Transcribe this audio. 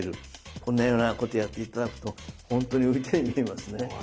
こんなようなことをやって頂くと本当に浮いたように見えますね。